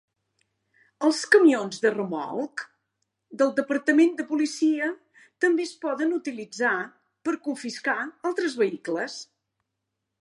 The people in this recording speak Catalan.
Els camions de remolc del departament de policia també es poden utilitzar per confiscar altres vehicles.